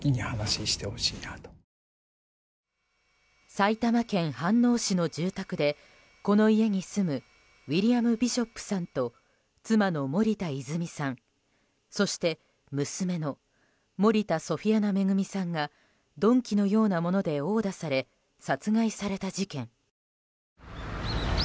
埼玉県飯能市の住宅でこの家に住むウィリアム・ビショップさんと妻の森田泉さん、そして娘の森田ソフィアナ恵さんが鈍器のようなもので殴打され殺害された事件。